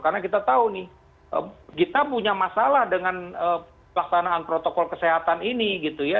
karena kita tahu nih kita punya masalah dengan pelaksanaan protokol kesehatan ini gitu ya